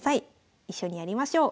一緒にやりましょう。